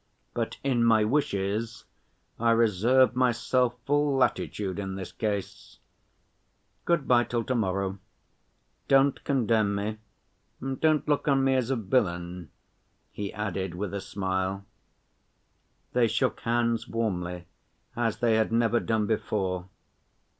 But in my wishes I reserve myself full latitude in this case. Good‐by till to‐morrow. Don't condemn me, and don't look on me as a villain," he added with a smile. They shook hands warmly as they had never done before.